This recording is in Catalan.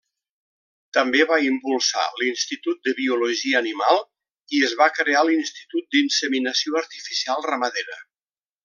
També va impulsar l'Institut de Biologia Animal i es va crear l'Institut d'Inseminació Artificial Ramadera.